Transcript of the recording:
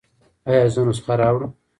ایا زه نسخه راوړم؟